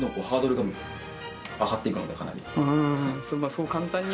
そう簡単には。